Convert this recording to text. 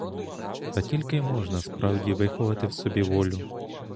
Так тільки й можна справді виховати в собі волю.